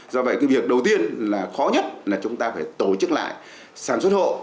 do vậy cái việc đầu tiên là khó nhất là chúng ta phải tổ chức lại sản xuất hộ